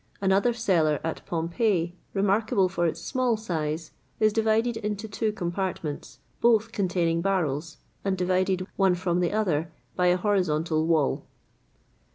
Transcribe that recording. [XXVIII 69] Another cellar, at Pompeii, remarkable for its small size, is divided into two compartments, both containing barrels, and divided one from the other by an horizontal wall.